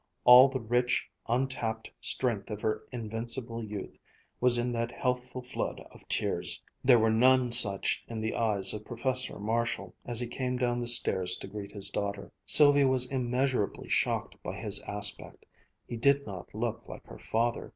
All the rich, untapped strength of her invincible youth was in that healthful flood of tears. There were none such in the eyes of Professor Marshall as he came down the stairs to greet his daughter. Sylvia was immeasurably shocked by his aspect. He did not look like her father.